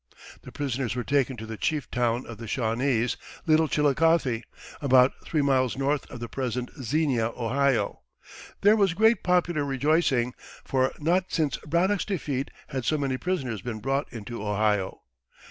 The prisoners were taken to the chief town of the Shawnese, Little Chillicothe, about three miles north of the present Xenia, Ohio. There was great popular rejoicing, for not since Braddock's defeat had so many prisoners been brought into Ohio.